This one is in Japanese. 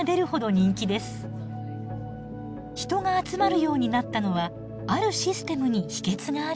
人が集まるようになったのはあるシステムに秘けつがあるそうです。